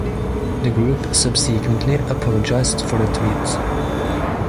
The group subsequently apologised for the tweet.